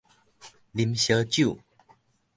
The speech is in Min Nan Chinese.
啉燒酒